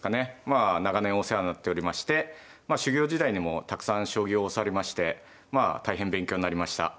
まあ長年お世話になっておりまして修業時代にもたくさん将棋を教わりまして大変勉強になりました。